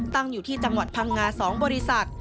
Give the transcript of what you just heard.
ตั้งอยู่ที่จังหวัดพังงา๒บริษัท